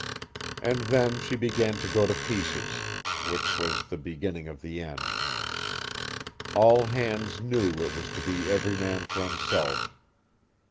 "And then she began to go to pieces which was the beginning of the end. All hands knew it was to be every man for himself.